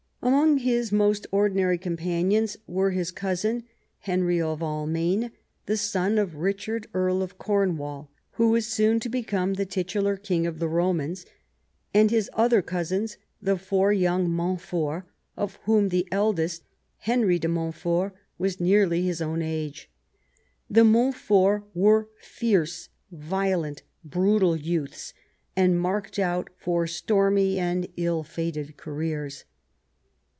Among his most ordinary companions Avere his cousin, Henry of Alraaine, the son of Richard, Earl of Cornwall, who was soon to become the titular king of the Romans, and his other cousins, the four young jNIontforts, of Avhom the eldest, Henry de Montfort, Avas nearly his oaa'u age. The Montforts AA'ere fierce, violent, brutal youths, and marked out for stormy and ill fated careers.